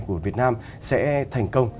của việt nam sẽ thành công